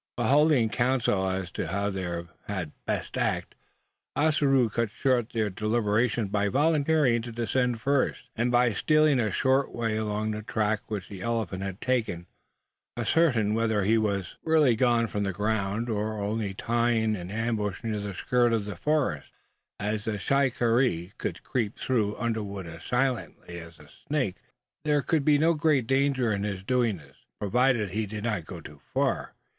While holding counsel as to how they had best act, Ossaroo cut short their deliberations by volunteering to descend first; and by stealing a short way along the track which the elephant had taken, ascertain whether he was really gone from the ground, or only tying in ambush near the skirt of the forest. As the shikaree could creep through underwood as silently as a snake, there could be no great danger in his doing this, provided he did not go too far.